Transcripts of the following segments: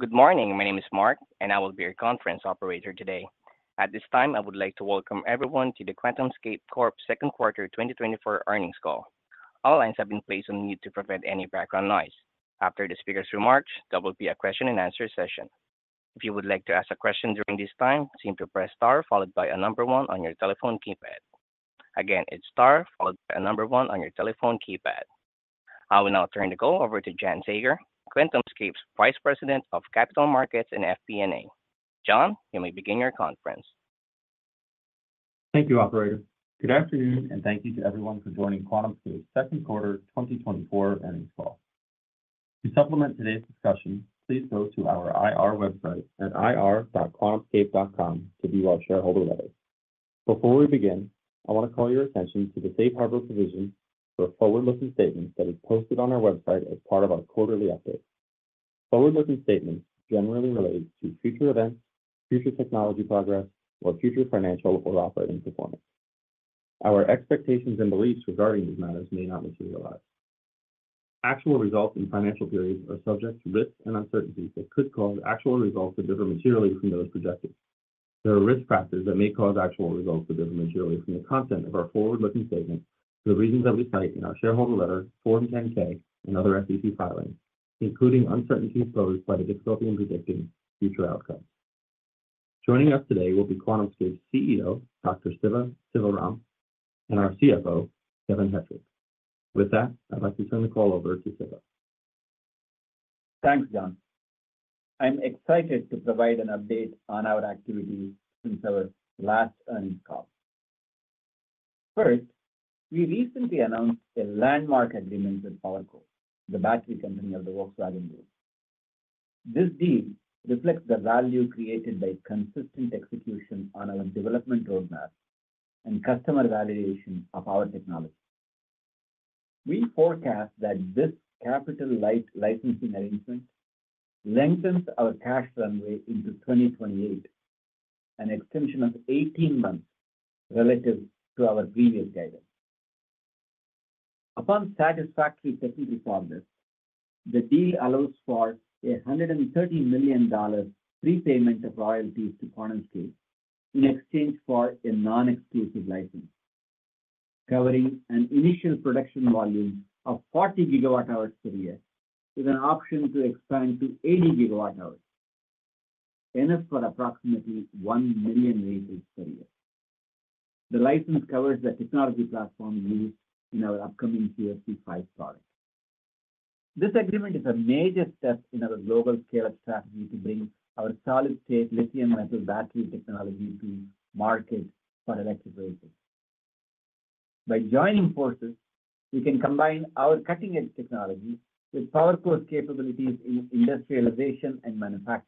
Good morning. My name is Mark, and I will be your conference operator today. At this time, I would like to welcome everyone to the QuantumScape Corp's second quarter 2024 earnings call. All lines have been placed on mute to prevent any background noise. After the speaker's remarks, there will be a question-and-answer session. If you would like to ask a question during this time, simply press star followed by a number 1 on your telephone keypad. Again, it's star followed by a number 1 on your telephone keypad. I will now turn the call over to John Saager, QuantumScape's Vice President of Capital Markets and FP&A. John, you may begin your conference. Thank you, Operator. Good afternoon, and thank you to everyone for joining QuantumScape's second quarter 2024 earnings call. To supplement today's discussion, please go to our IR website at ir.quantumscape.com to view our shareholder letters. Before we begin, I want to call your attention to the Safe Harbor provision for forward-looking statements that is posted on our website as part of our quarterly update. Forward-looking statements generally relate to future events, future technology progress, or future financial or operating performance. Our expectations and beliefs regarding these matters may not materialize. Actual results in financial periods are subject to risks and uncertainties that could cause actual results to differ materially from those projected. There are risk factors that may cause actual results to differ materially from the content of our forward-looking statements for the reasons that we cite in our shareholder letter Form 10-K and other SEC filings, including uncertainties posed by the difficulty in predicting future outcomes. Joining us today will be QuantumScape's CEO, Dr. Siva Sivaram, and our CFO, Kevin Hettrich. With that, I'd like to turn the call over to Siva. Thanks, John. I'm excited to provide an update on our activities since our last earnings call. First, we recently announced a landmark agreement with PowerCo, the battery company of the Volkswagen Group. This deal reflects the value created by consistent execution on our development roadmap and customer validation of our technology. We forecast that this capital-light licensing arrangement lengthens our cash runway into 2028, an extension of 18 months relative to our previous guidance. Upon satisfactory technical progress, the deal allows for a $130 million prepayment of royalties to QuantumScape in exchange for a non-exclusive license, covering an initial production volume of 40 gigawatt-hours per year, with an option to expand to 80 gigawatt-hours, enough for approximately 1 million vehicles per year. The license covers the technology platform used in our upcoming QSE-5 product. This agreement is a major step in our global scale-up strategy to bring our solid-state lithium-metal battery technology to markets for electric vehicles. By joining forces, we can combine our cutting-edge technology with PowerCo's capabilities in industrialization and manufacturing.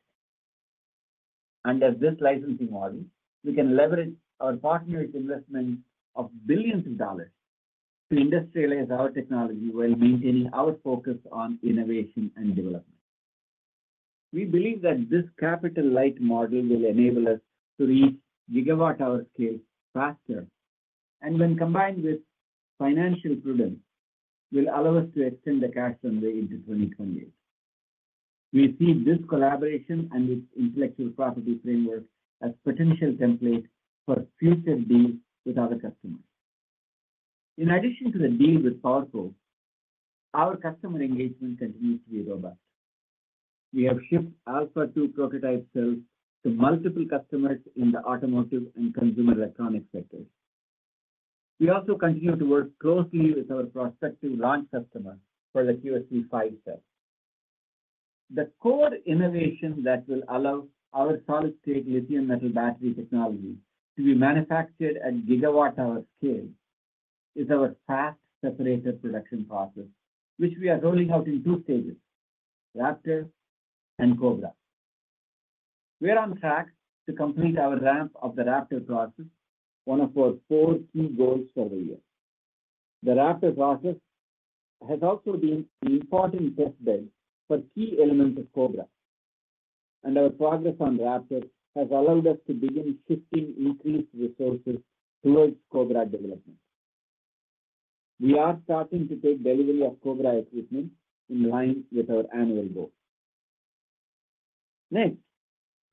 Under this licensing model, we can leverage our partners' investments of billions of dollars to industrialize our technology while maintaining our focus on innovation and development. We believe that this capital-light model will enable us to reach gigawatt-hour scale faster, and when combined with financial prudence, will allow us to extend the cash runway into 2028. We see this collaboration and its intellectual property framework as potential templates for future deals with other customers. In addition to the deal with PowerCo, our customer engagement continues to be robust. We have shipped Alpha-2 prototype cells to multiple customers in the automotive and consumer electronics sectors. We also continue to work closely with our prospective launch customers for the QSE-5 cells. The core innovation that will allow our solid-state lithium metal battery technology to be manufactured at gigawatt-hour scale is our fast separator production process, which we are rolling out in two stages: Raptor and Cobra. We are on track to complete our ramp of the Raptor process, one of our four key goals for the year. The Raptor process has also been an important testbed for key elements of Cobra, and our progress on Raptor has allowed us to begin shifting increased resources towards Cobra development. We are starting to take delivery of Cobra equipment in line with our annual goals. Next,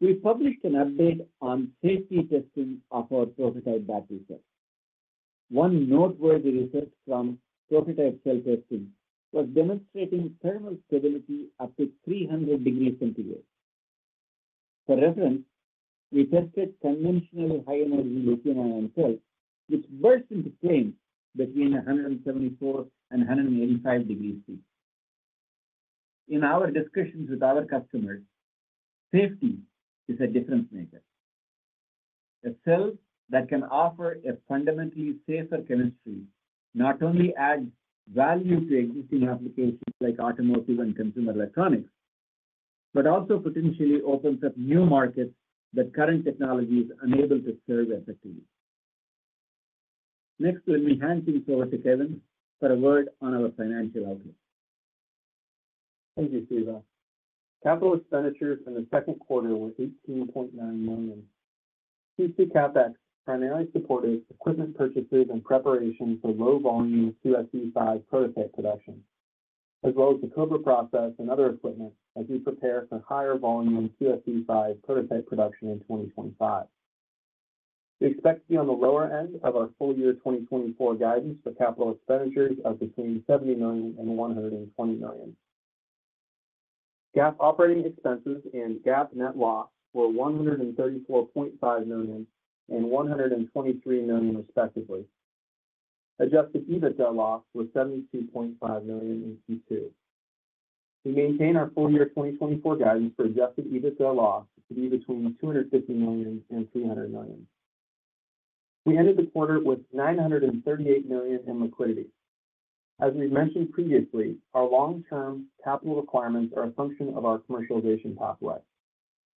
we published an update on safety testing of our prototype battery cells. One noteworthy result from prototype cell testing was demonstrating thermal stability up to 300 degrees centigrade. For reference, we tested conventional high-energy lithium-ion cells, which burst into flames between 174-185 degrees Celsius. In our discussions with our customers, safety is a different matter. A cell that can offer a fundamentally safer chemistry not only adds value to existing applications like automotive and consumer electronics, but also potentially opens up new markets that current technology is unable to serve effectively. Next, let me hand things over to Kevin for a word on our financial outlook. Thank you, Siva. Capital expenditures in the second quarter were $18.9 million. QS CapEx primarily supported equipment purchases and preparation for low-volume QSE-5 prototype production, as well as the Cobra process and other equipment as we prepare for higher-volume QSE-5 prototype production in 2025. We expect to be on the lower end of our full-year 2024 guidance for capital expenditures of between $70 million and $120 million. GAAP operating expenses and GAAP net loss were $134.5 million and $123 million, respectively. Adjusted EBITDA loss was $72.5 million in Q2. We maintain our full-year 2024 guidance for adjusted EBITDA loss to be between $250 million and $300 million. We ended the quarter with $938 million in liquidity. As we've mentioned previously, our long-term capital requirements are a function of our commercialization pathway.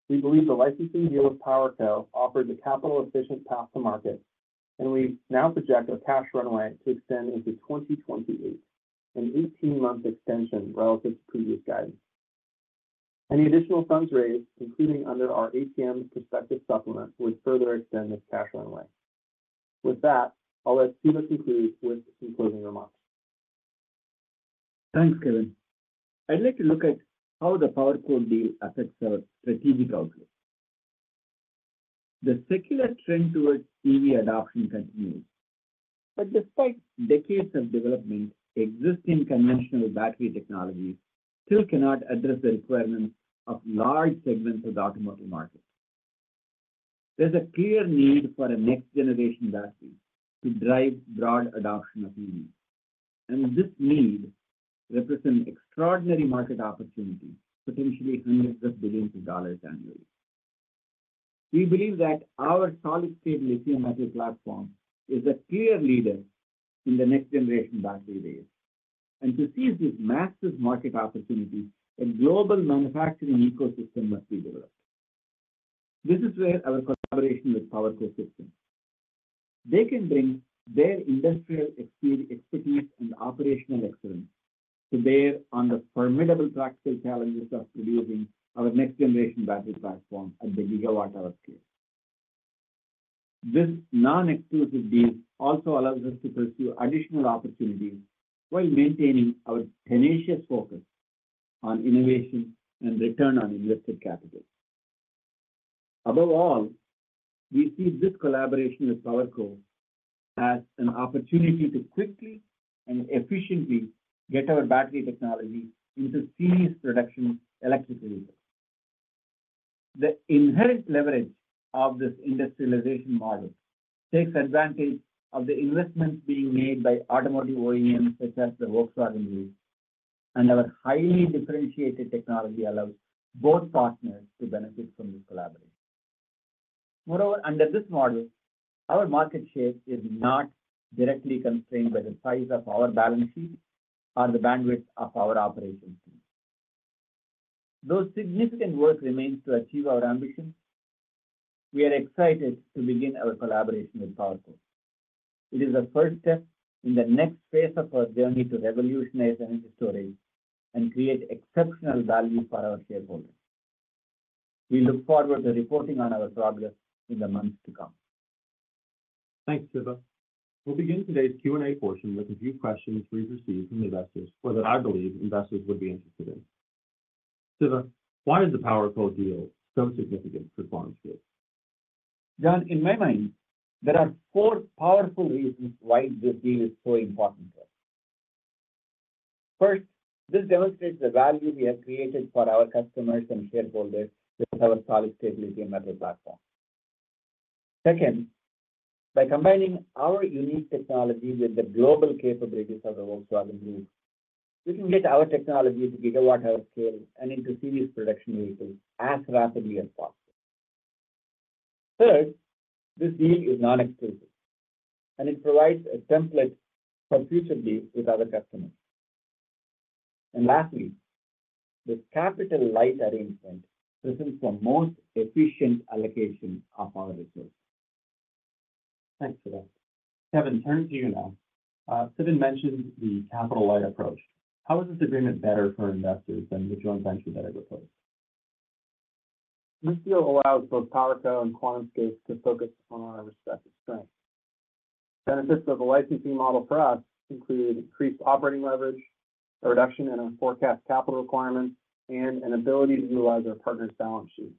We believe the licensing deal with PowerCo offered the capital-efficient path to market, and we now project our cash runway to extend into 2028, an 18-month extension relative to previous guidance. Any additional funds raised, including under our ATM prospectus supplement, would further extend this cash runway. With that, I'll let Siva conclude with some closing remarks. Thanks, Kevin. I'd like to look at how the PowerCo deal affects our strategic outlook. The secular trend towards EV adoption continues, but despite decades of development, existing conventional battery technologies still cannot address the requirements of large segments of the automotive market. There's a clear need for a next-generation battery to drive broad adoption of EVs, and this need represents extraordinary market opportunities, potentially hundreds of billions of dollars annually. We believe that our solid-state lithium-metal platform is a clear leader in the next-generation battery space, and to seize this massive market opportunity, a global manufacturing ecosystem must be developed. This is where our collaboration with PowerCo sits. They can bring their industrial expertise and operational excellence to bear on the formidable practical challenges of producing our next-generation battery platform at the gigawatt-hour scale. This non-exclusive deal also allows us to pursue additional opportunities while maintaining our tenacious focus on innovation and return on invested capital. Above all, we see this collaboration with PowerCo as an opportunity to quickly and efficiently get our battery technology into serious production electric vehicles. The inherent leverage of this industrialization model takes advantage of the investments being made by automotive OEMs such as the Volkswagen Group, and our highly differentiated technology allows both partners to benefit from this collaboration. Moreover, under this model, our market share is not directly constrained by the size of our balance sheet or the bandwidth of our operations. Though significant work remains to achieve our ambitions, we are excited to begin our collaboration with PowerCo. It is a first step in the next phase of our journey to revolutionize energy storage and create exceptional value for our shareholders. We look forward to reporting on our progress in the months to come. Thanks, Siva. We'll begin today's Q&A portion with a few questions we've received from investors or that I believe investors would be interested in. Siva, why is the PowerCo deal so significant for QuantumScape? John, in my mind, there are four powerful reasons why this deal is so important to us. First, this demonstrates the value we have created for our customers and shareholders with our solid-state lithium metal platform. Second, by combining our unique technology with the global capabilities of the Volkswagen Group, we can get our technology to gigawatt-hour scale and into serious production vehicles as rapidly as possible. Third, this deal is non-exclusive, and it provides a template for future deals with other customers. And lastly, this capital-light arrangement presents the most efficient allocation of our resources. Thanks, Siva. Kevin, turning to you now. Siva mentioned the capital-light approach. How is this agreement better for investors than the joint venture that it would pose? This deal allows both PowerCo and QuantumScape to focus on our respective strengths. Benefits of the licensing model for us include increased operating leverage, a reduction in our forecast capital requirements, and an ability to utilize our partner's balance sheet.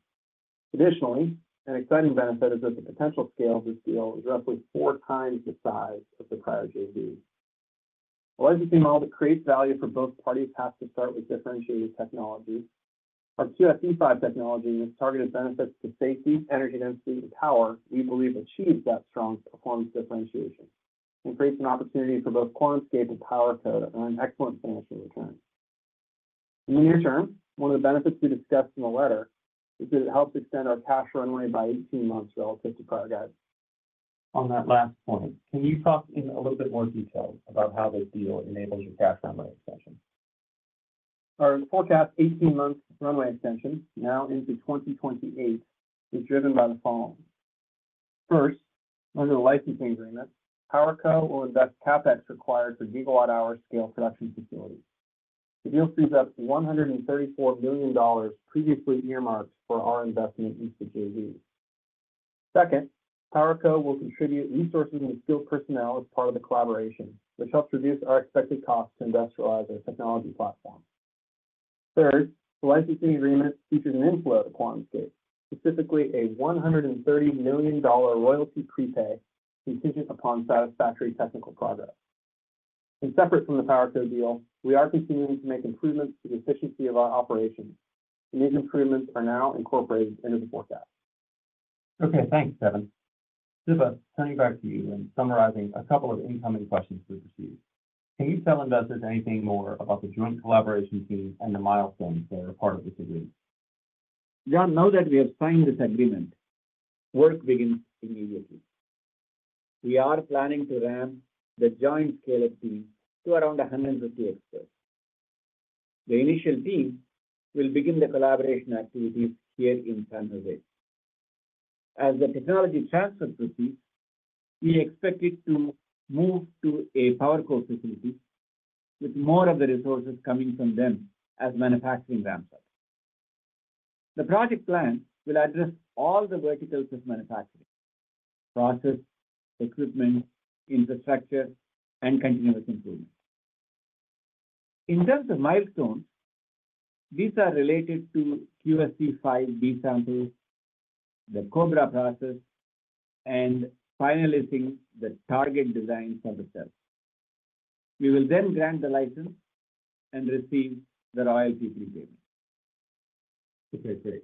Additionally, an exciting benefit is that the potential scale of this deal is roughly four times the size of the prior JV. A licensing model that creates value for both parties has to start with differentiated technology. Our QSE-5 technology and its targeted benefits to safety, energy density, and power we believe achieve that strong performance differentiation and creates an opportunity for both QuantumScape and PowerCo to earn excellent financial returns. In the near term, one of the benefits we discussed in the letter is that it helps extend our cash runway by 18 months relative to prior guidance. On that last point, can you talk in a little bit more detail about how this deal enables your cash runway extension? Our forecast 18-month runway extension, now into 2028, is driven by the following. First, under the licensing agreement, PowerCo will invest CapEx required for gigawatt-hour scale production facilities. The deal frees up $134 million previously earmarked for our investment into the JV. Second, PowerCo will contribute resources and skilled personnel as part of the collaboration, which helps reduce our expected costs to industrialize our technology platform. Third, the licensing agreement features an inflow to QuantumScape, specifically a $130 million royalty prepay contingent upon satisfactory technical progress. Separate from the PowerCo deal, we are continuing to make improvements to the efficiency of our operations, and these improvements are now incorporated into the forecast. Okay, thanks, Kevin. Siva, turning back to you and summarizing a couple of incoming questions we've received. Can you tell investors anything more about the joint collaboration team and the milestones that are part of this agreement? John, now that we have signed this agreement, work begins immediately. We are planning to ramp the joint scale-up team to around 150 experts. The initial team will begin the collaboration activities here in San Jose. As the technology transfer proceeds, we expect it to move to a PowerCo facility with more of the resources coming from them as manufacturing ramps up. The project plan will address all the verticals of manufacturing: process, equipment, infrastructure, and continuous improvement. In terms of milestones, these are related to QSE-5 B samples, the Cobra process, and finalizing the target design for the cells. We will then grant the license and receive the royalty prepay. Okay, great.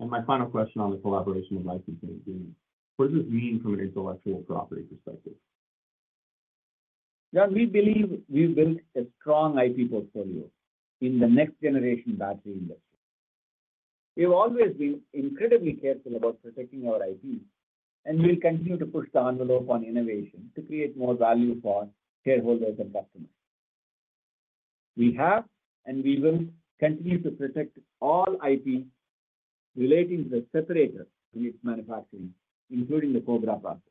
And my final question on the collaboration of licensing agreements. What does this mean from an intellectual property perspective? John, we believe we've built a strong IP portfolio in the next-generation battery industry. We have always been incredibly careful about protecting our IPs, and we'll continue to push the envelope on innovation to create more value for shareholders and customers. We have and we will continue to protect all IPs relating to the separator in its manufacturing, including the Cobra process.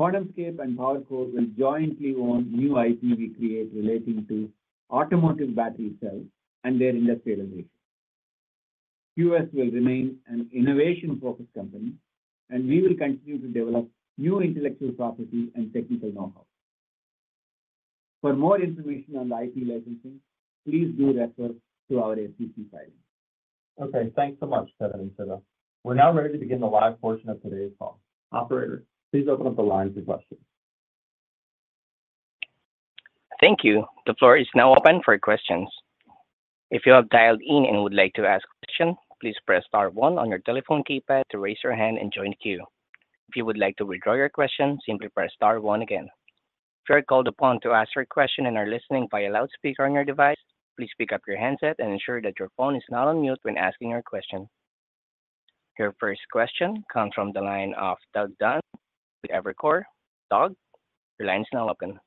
QuantumScape and PowerCo will jointly own new IPs we create relating to automotive battery cells and their industrialization. QS will remain an innovation-focused company, and we will continue to develop new intellectual property and technical know-how. For more information on the IP licensing, please do refer to our SEC filing. Okay, thanks so much, Kevin and Siva. We're now ready to begin the live portion of today's call. Operator, please open up the line for questions. Thank you. The floor is now open for questions. If you have dialed in and would like to ask a question, please press star 1 on your telephone keypad to raise your hand and join queue. If you would like to withdraw your question, simply press star 1 again. If you are called upon to ask your question and are listening via loudspeaker on your device, please pick up your handset and ensure that your phone is not on mute when asking your question. Your first question comes from the line of Doug Dunn with Evercore. Doug, your line is now open.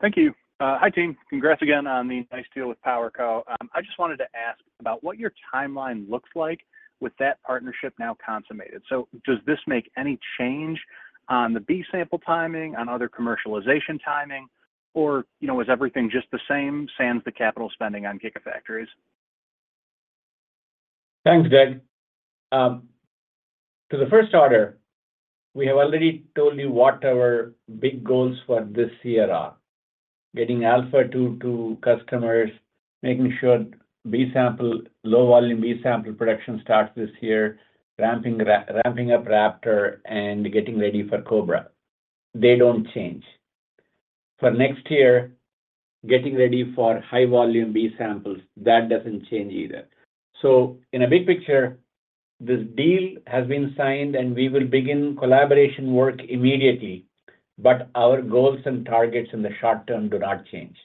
Thank you. Hi, team. Congrats again on the nice deal with PowerCo. I just wanted to ask about what your timeline looks like with that partnership now consummated. Does this make any change on the B-sample timing, on other commercialization timing, or is everything just the same, sans the capital spending on Gigafactories? Thanks, Doug. To the first order, we have already told you what our big goals for this year are: getting Alpha-2 to customers, making sure low-volume B-sample production starts this year, ramping up Raptor, and getting ready for Cobra. They don't change. For next year, getting ready for high-volume B-samples, that doesn't change either. So in a big picture, this deal has been signed, and we will begin collaboration work immediately, but our goals and targets in the short term do not change.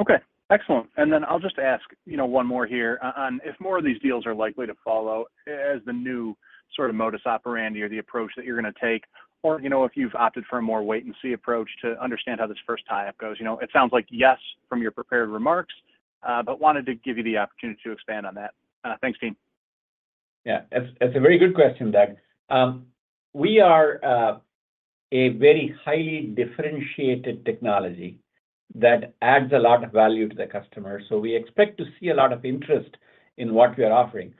Okay, excellent. And then I'll just ask one more here on if more of these deals are likely to follow as the new sort of modus operandi or the approach that you're going to take, or if you've opted for a more wait-and-see approach to understand how this first tie-up goes. It sounds like yes from your prepared remarks, but wanted to give you the opportunity to expand on that. Thanks, team. Yeah, that's a very good question, Doug. We are a very highly differentiated technology that adds a lot of value to the customer, so we expect to see a lot of interest in what we are offering.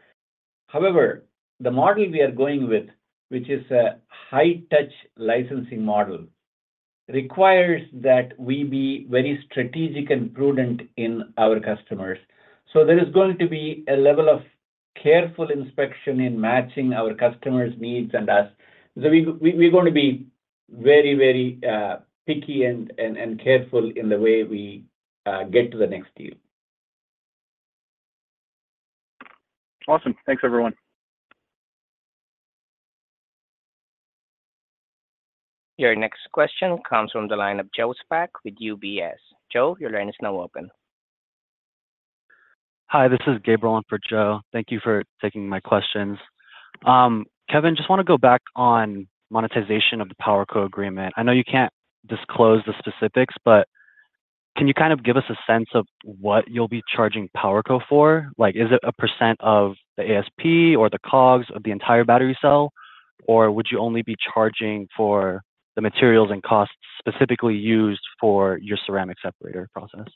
However, the model we are going with, which is a high-touch licensing model, requires that we be very strategic and prudent in our customers. So there is going to be a level of careful inspection in matching our customers' needs and us. So we're going to be very, very picky and careful in the way we get to the next deal. Awesome. Thanks, everyone. Your next question comes from the line of Joe Spak with UBS. Joe, your line is now open. Hi, this is Gabriel on for Joe. Thank you for taking my questions. Kevin, just want to go back on monetization of the PowerCo agreement. I know you can't disclose the specifics, but can you kind of give us a sense of what you'll be charging PowerCo for? Is it a percent of the ASP or the COGS of the entire battery cell, or would you only be charging for the materials and costs specifically used for your ceramic separator process?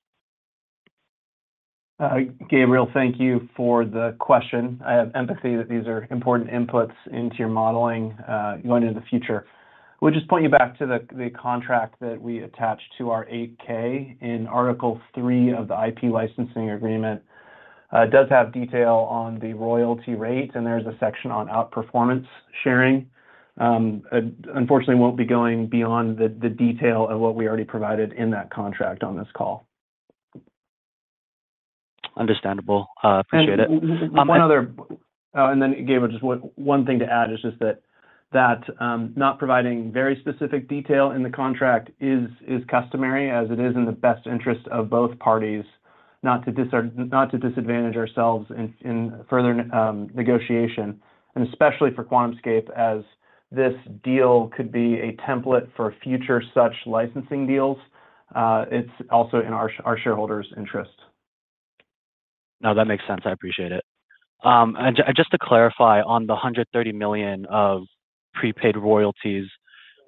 Gabriel, thank you for the question. I have empathy that these are important inputs into your modeling going into the future. I would just point you back to the contract that we attached to our 8-K in Article 3 of the IP licensing agreement. It does have detail on the royalty rate, and there's a section on outperformance sharing. Unfortunately, we won't be going beyond the detail of what we already provided in that contract on this call. Understandable. Appreciate it. And then Gabriel, just one thing to add is just that not providing very specific detail in the contract is customary, as it is in the best interest of both parties not to disadvantage ourselves in further negotiation, and especially for QuantumScape, as this deal could be a template for future such licensing deals. It's also in our shareholders' interest. No, that makes sense. I appreciate it. Just to clarify on the $130 million of prepaid royalties,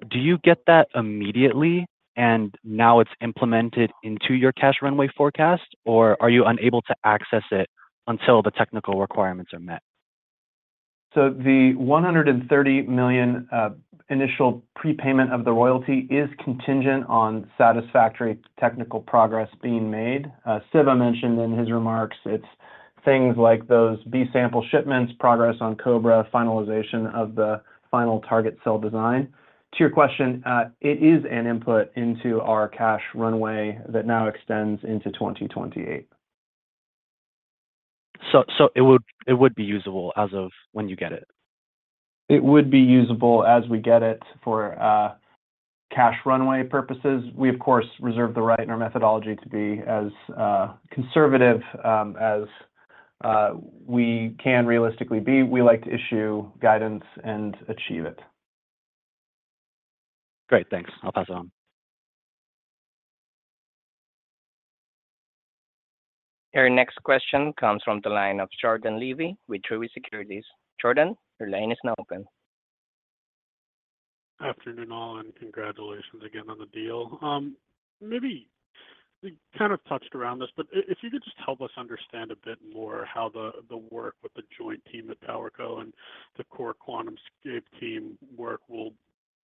do you get that immediately, and now it's implemented into your cash runway forecast, or are you unable to access it until the technical requirements are met? So the $130 million initial prepayment of the royalty is contingent on satisfactory technical progress being made. Siva mentioned in his remarks it's things like those B-sample shipments, progress on Cobra, finalization of the final target cell design. To your question, it is an input into our cash runway that now extends into 2028. It would be usable as of when you get it? It would be usable as we get it for cash runway purposes. We, of course, reserve the right in our methodology to be as conservative as we can realistically be. We like to issue guidance and achieve it. Great. Thanks. I'll pass it on. Your next question comes from the line of Jordan Levy with Truist Securities. Jordan, your line is now open. Afternoon all, and congratulations again on the deal. Maybe we kind of touched around this, but if you could just help us understand a bit more how the work with the joint team at PowerCo and the core QuantumScape team work will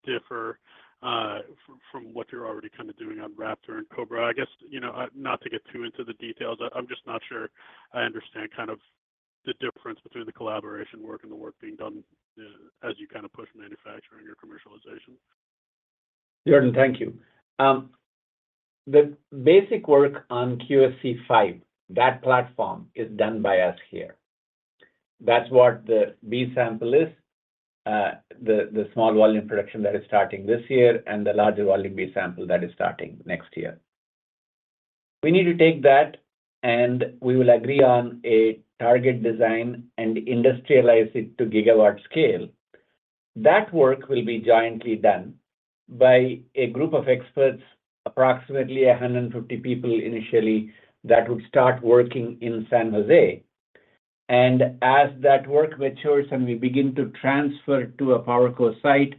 differ from what you're already kind of doing on Raptor and Cobra. I guess, not to get too into the details, I'm just not sure I understand kind of the difference between the collaboration work and the work being done as you kind of push manufacturing or commercialization. Jordan, thank you. The basic work on QSE-5, that platform is done by us here. That's what the B-sample is, the small volume production that is starting this year, and the larger volume B-sample that is starting next year. We need to take that, and we will agree on a target design and industrialize it to gigawatt scale. That work will be jointly done by a group of experts, approximately 150 people initially, that would start working in San Jose. And as that work matures and we begin to transfer to a PowerCo site,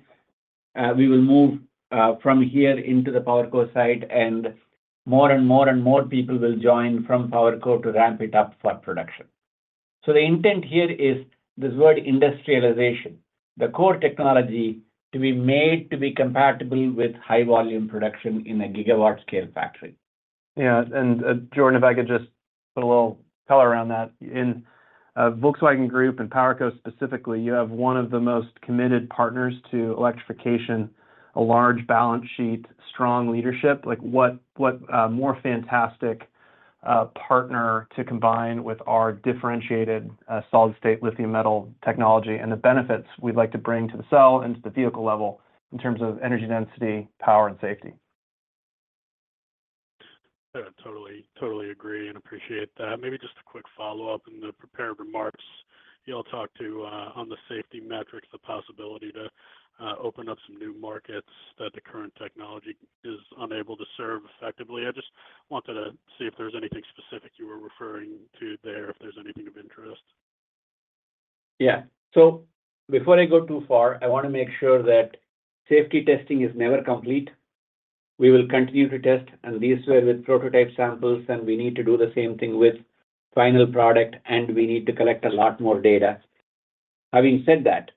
we will move from here into the PowerCo site, and more and more and more people will join from PowerCo to ramp it up for production. So the intent here is this word industrialization, the core technology to be made to be compatible with high-volume production in a gigawatt scale factory. Yeah. And Jordan, if I could just put a little color around that. In Volkswagen Group and PowerCo specifically, you have one of the most committed partners to electrification, a large balance sheet, strong leadership. What more fantastic partner to combine with our differentiated solid-state lithium metal technology and the benefits we'd like to bring to the cell and to the vehicle level in terms of energy density, power, and safety? I totally agree and appreciate that. Maybe just a quick follow-up in the prepared remarks. You all talked to, on the safety metrics, the possibility to open up some new markets that the current technology is unable to serve effectively. I just wanted to see if there's anything specific you were referring to there, if there's anything of interest? Yeah. So before I go too far, I want to make sure that safety testing is never complete. We will continue to test, and these were with prototype samples, and we need to do the same thing with final product, and we need to collect a lot more data. Having said that,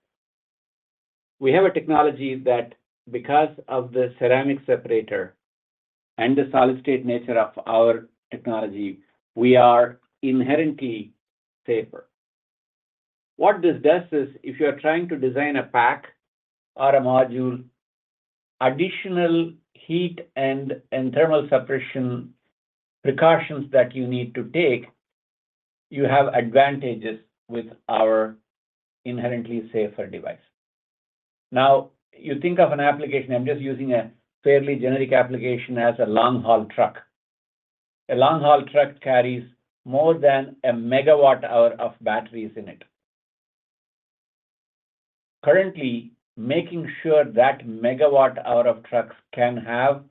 we have a technology that, because of the ceramic separator and the solid-state nature of our technology, we are inherently safer. What this does is, if you are trying to design a pack or a module, additional heat and thermal suppression precautions that you need to take, you have advantages with our inherently safer device. Now, you think of an application, I'm just using a fairly generic application, as a long-haul truck. A long-haul truck carries more than a megawatt-hour of batteries in it. Currently, making sure that megawatt-hour of trucks can have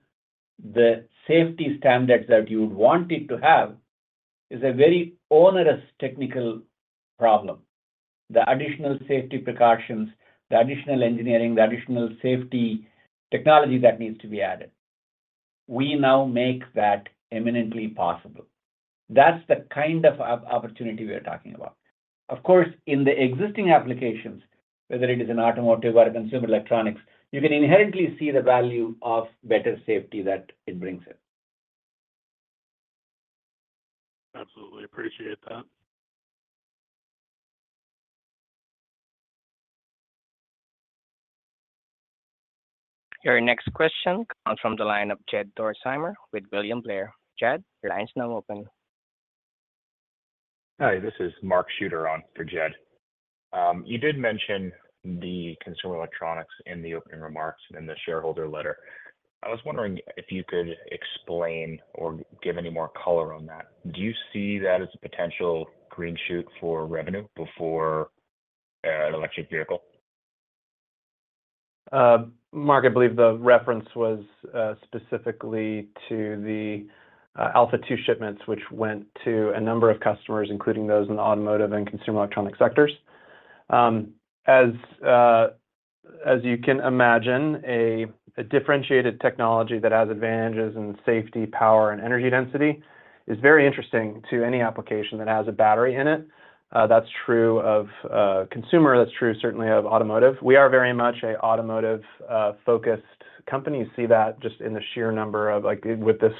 the safety standards that you would want it to have is a very onerous technical problem. The additional safety precautions, the additional engineering, the additional safety technology that needs to be added, we now make that imminently possible. That's the kind of opportunity we are talking about. Of course, in the existing applications, whether it is in automotive or consumer electronics, you can inherently see the value of better safety that it brings in. Absolutely. Appreciate that. Your next question comes from the line of Jed Dorsheimer with William Blair. Jed, your line is now open. Hi, this is Mark Shooter on for Jed. You did mention the consumer electronics in the opening remarks and in the shareholder letter. I was wondering if you could explain or give any more color on that. Do you see that as a potential green shoot for revenue before an electric vehicle? Mark, I believe the reference was specifically to the Alpha-2 shipments, which went to a number of customers, including those in the automotive and consumer electronic sectors. As you can imagine, a differentiated technology that has advantages in safety, power, and energy density is very interesting to any application that has a battery in it. That's true of consumer. That's true, certainly, of automotive. We are very much an automotive-focused company. You see that just in the sheer number of, with this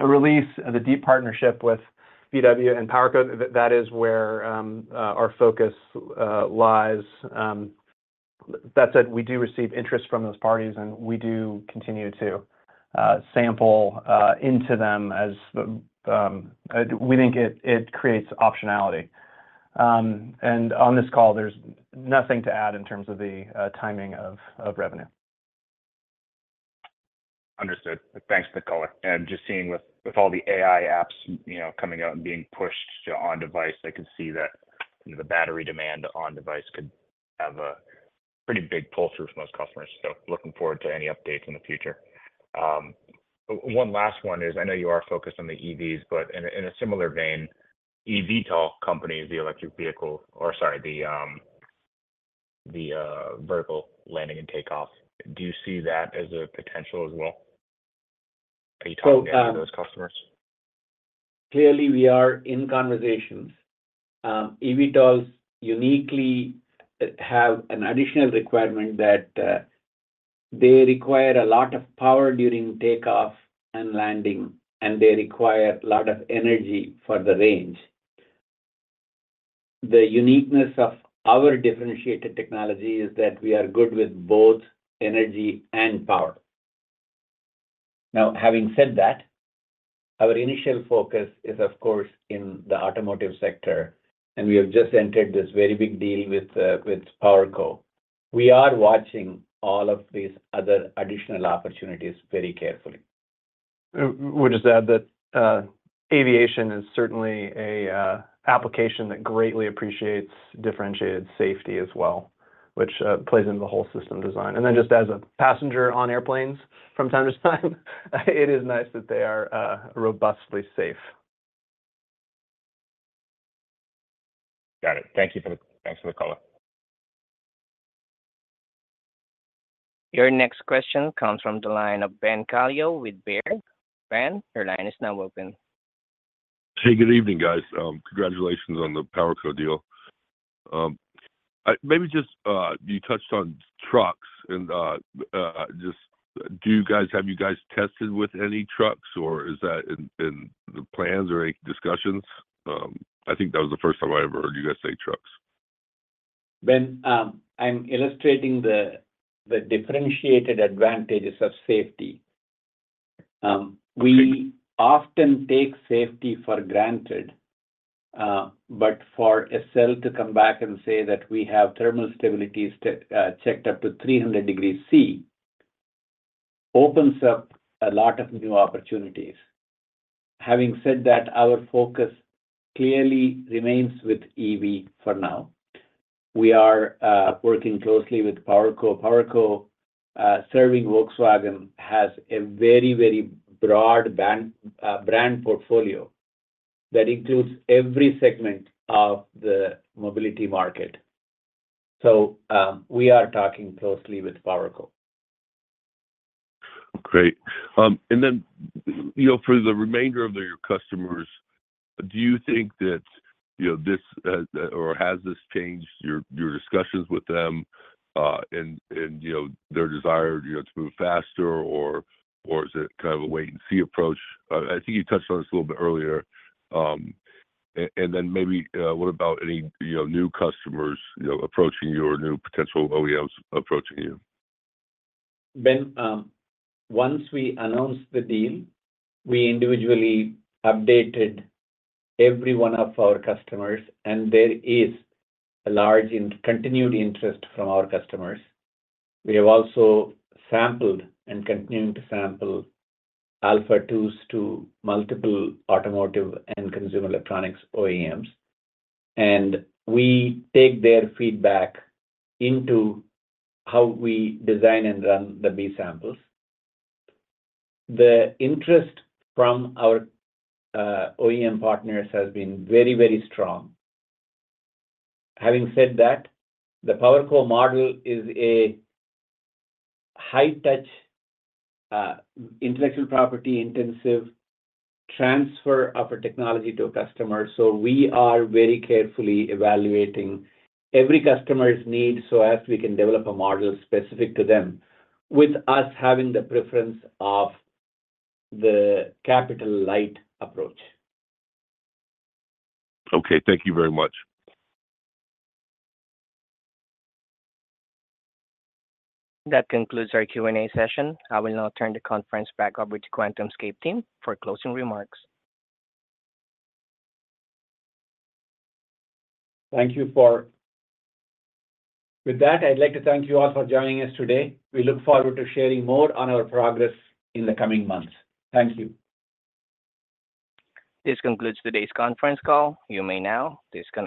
release, the deep partnership with VW and PowerCo. That is where our focus lies. That said, we do receive interest from those parties, and we do continue to sample into them as we think it creates optionality. And on this call, there's nothing to add in terms of the timing of revenue. Understood. Thanks for the color. Just seeing with all the AI apps coming out and being pushed on-device, I can see that the battery demand on-device could have a pretty big pull-through for most customers. Looking forward to any updates in the future. One last one is, I know you are focused on the EVs, but in a similar vein, EVTOL companies, the electric vehicle—or sorry, the vertical landing and takeoff—do you see that as a potential as well? Are you talking to any of those customers? Clearly, we are in conversations. EVTOLs uniquely have an additional requirement that they require a lot of power during takeoff and landing, and they require a lot of energy for the range. The uniqueness of our differentiated technology is that we are good with both energy and power. Now, having said that, our initial focus is, of course, in the automotive sector, and we have just entered this very big deal with PowerCo. We are watching all of these other additional opportunities very carefully. We'll just add that aviation is certainly an application that greatly appreciates differentiated safety as well, which plays into the whole system design. And then just as a passenger on airplanes from time to time, it is nice that they are robustly safe. Got it. Thanks for the call. Your next question comes from the line of Ben Kallo with Baird. Ben, your line is now open. Hey, good evening, guys. Congratulations on the PowerCo deal. Maybe just you touched on trucks, and just do you guys have you guys tested with any trucks, or is that in the plans or any discussions? I think that was the first time I ever heard you guys say trucks. Ben, I'm illustrating the differentiated advantages of safety. We often take safety for granted, but for a cell to come back and say that we have thermal stability checked up to 300 degrees Celsius opens up a lot of new opportunities. Having said that, our focus clearly remains with EV for now. We are working closely with PowerCo. PowerCo serving Volkswagen has a very, very broad brand portfolio that includes every segment of the mobility market. So we are talking closely with PowerCo. Great. Then for the remainder of your customers, do you think that this or has this changed your discussions with them and their desire to move faster, or is it kind of a wait-and-see approach? I think you touched on this a little bit earlier. Then maybe what about any new customers approaching you or new potential OEMs approaching you? Ben, once we announced the deal, we individually updated every one of our customers, and there is a large continued interest from our customers. We have also sampled and continue to sample Alpha-2s to multiple automotive and consumer electronics OEMs, and we take their feedback into how we design and run the B-samples. The interest from our OEM partners has been very, very strong. Having said that, the PowerCo model is a high-touch, intellectual property-intensive transfer of a technology to a customer. So we are very carefully evaluating every customer's need so as we can develop a model specific to them, with us having the preference of the capital-light approach. Okay. Thank you very much. That concludes our Q&A session. I will now turn the conference back over to QuantumScape team for closing remarks. Thank you. With that, I'd like to thank you all for joining us today. We look forward to sharing more on our progress in the coming months. Thank you. This concludes today's conference call. You may now disconnect.